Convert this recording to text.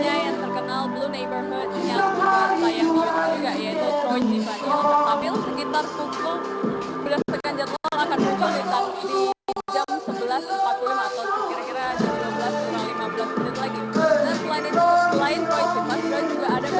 yang terkenal blue neighbourhood yang juga yang terkenal juga yaitu troy t vanille